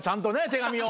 手紙を。